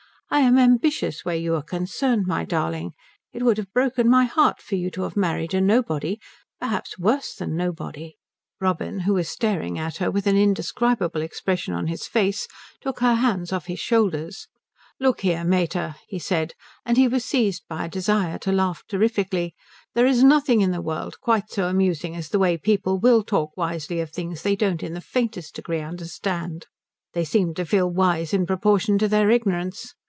I am ambitious where you are concerned, my darling. It would have broken my heart for you to have married a nobody perhaps a worse than nobody." Robin, who was staring at her with an indescribable expression on his face, took her hands off his shoulders. "Look here mater," he said and he was seized by a desire to laugh terrifically "there is nothing in the world quite so amusing as the way people will talk wisely of things they don't in the faintest degree understand. They seem to feel wise in proportion to their ignorance.